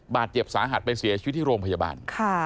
บาดเจ็บสาหัสไปเสียชีวิตที่โรงพยาบาล